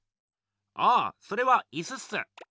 ああそれは椅子っす。